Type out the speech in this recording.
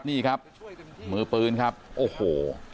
นี่ครับมือปืนครับโอ้โห